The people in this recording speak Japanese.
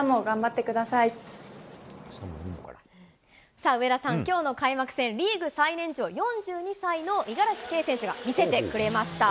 さあ、上田さん、きょうの開幕戦、リーグ最年長、４２歳の五十嵐圭選手が見せてくれました。